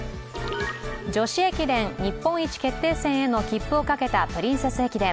女子駅伝日本一決定戦への切符をかけたプリンセス駅伝。